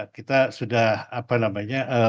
kita sudah apa namanya